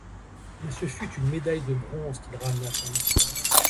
Mais ce fut une médaille de bronze qu'il ramena à sa nation.